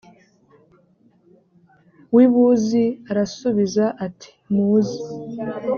w i buzi arasubiza ati muze